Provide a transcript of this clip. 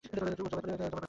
উট যবাহ করে খেল, মদপান করল।